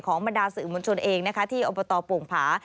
บรรดาสื่อมวลชนเองนะคะที่อบตโป่งผา